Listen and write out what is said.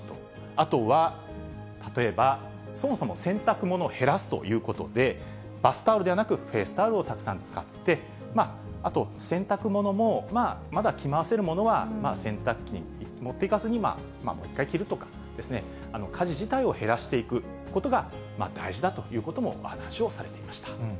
あとは例えば、そもそも洗濯物を減らすということで、バスタオルではなく、フェースタオルをたくさん使って、あと、洗濯物も、まだ着回せるものは、洗濯機に持っていかずに、もう一回着るとか、家事自体を減らしていくことが大事だということも、お話をされていました。